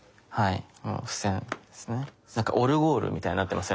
なんかオルゴールみたいになってますね。